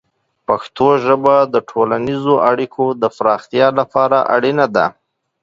پښتو ژبه د ټولنیزو اړیکو د پراختیا لپاره اړینه ده.